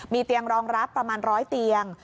มีเตียงรองรับประมาณ๑๐๐เตียง